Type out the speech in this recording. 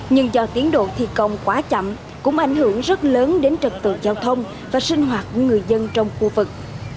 nhưng do tiến độ thi công quá chậm cũng ảnh hưởng rất lớn đến trực tự giao thông và sinh hoạt của người dân trong khu vực